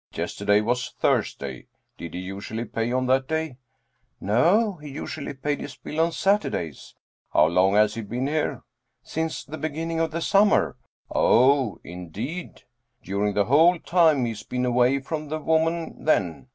" Yesterday was Thursday ; did he usually pay on that day?" 2? German Mystery Stories " No, he usually paid his bill on Saturdays." " How long has he been here ?"" Since the beginning of the summer." " Oh, indeed ! During the whole time he's been away from the woman then.